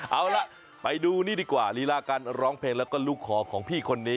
เอาล่ะไปดูนี่ดีกว่าลีลาการร้องเพลงแล้วก็ลูกคอของพี่คนนี้